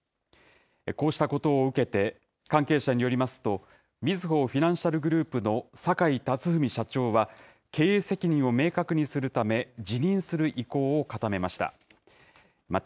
こうしたことを受けて、関係者によりますと、みずほフィナンシャルグループの坂井辰史社長は、経営責任を明確にするため、辞任する意向を固めました。